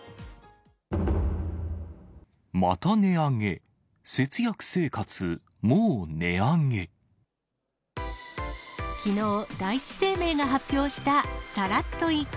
また値上げ、きのう、第一生命が発表した、サラっと一句！